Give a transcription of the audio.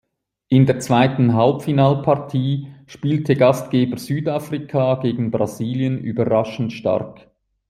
In der zweiten Halbfinalpartie spielte Gastgeber Südafrika gegen Brasilien überraschend stark.